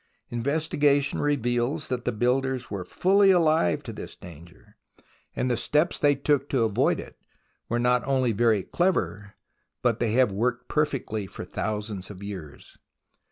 Investigation reveals that the builders were fully alive to this danger, and the steps they took to avoid it were not only very clever, but they have worked perfectly for thousands of years.